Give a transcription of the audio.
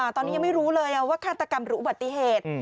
ตอนนี้ยังไม่รู้เลยว่าฆาตกรรมหรืออุบัติเหตุ